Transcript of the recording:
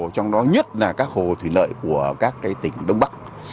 trong đó nhất là các hồ thủy lợi của các tỉnh đông bắc